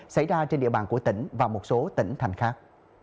xảy ra trên địa bàn của tỉnh và một số tỉnh thành khác